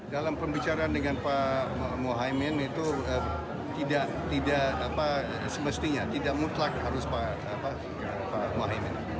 dalam pembicaraan dengan pak mohaimin itu tidak semestinya tidak mutlak harus pak mohaimin